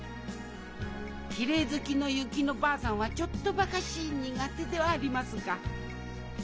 きれい好きの薫乃ばあさんはちょっとばかし苦手ではありますが。